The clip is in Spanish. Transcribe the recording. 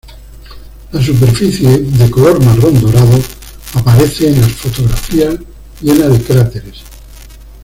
La superficie, de color marrón dorado, aparece en las fotografías llena de cráteres.